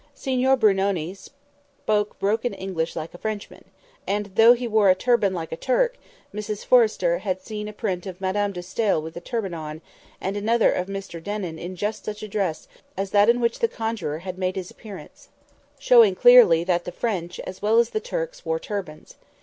Signor Brunoni spoke broken English like a Frenchman; and, though he wore a turban like a Turk, Mrs Forrester had seen a print of Madame de Staël with a turban on, and another of Mr Denon in just such a dress as that in which the conjuror had made his appearance, showing clearly that the French, as well as the Turks, wore turbans.